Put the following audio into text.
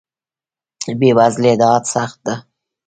بې وزلۍ ادعا سخت ده.